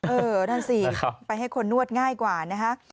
นั่นสิไปให้คนนวดง่ายกว่านะฮะ